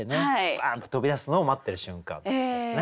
バンッと飛び出すのを待ってる瞬間ということですね。